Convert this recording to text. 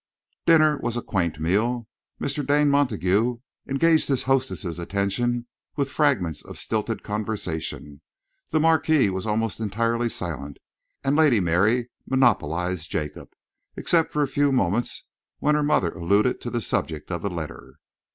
Dinner was a quaint meal. Mr. Dane Montague engaged his hostess' attention with fragments of stilted conversation, the Marquis was almost entirely silent, and Lady Mary monopolised Jacob, except for a few moments when her mother alluded to the subject of the letter.